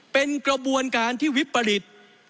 เป็นกระบวนการที่วิปริต